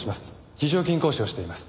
非常勤講師をしています。